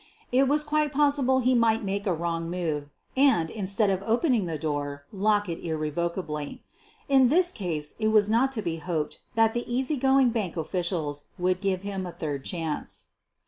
It was quite possible he might make a wrong move and, instead of opening the door, lock it irrevocably. In that case it was not to be hoped that the easy going bank officials would give him a third chance.